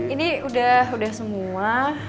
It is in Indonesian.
ini udah semua